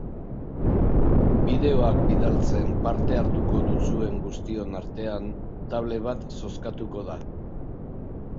Bideoak bidaltzen parte hartuko duzuen guztion artean, tablet bat zozkatuko da.